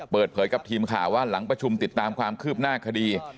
เปิดเผยกับทีมข่าวว่าหลังประชุมติดตามความคืบหน้าคดี